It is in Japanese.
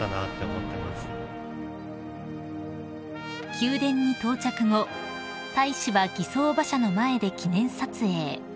［宮殿に到着後大使は儀装馬車の前で記念撮影］